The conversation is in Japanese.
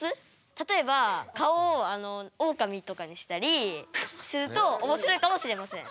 例えば顔をおおかみとかにしたりするとおもしろいかもしれません。